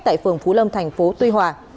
tại phường phú lâm thành phố